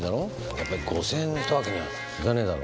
やっぱ５０００円ってわけにはいかねぇだろ。